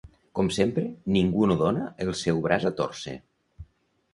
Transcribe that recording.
Com sempre, ningú no dóna el seu braç a tòrcer.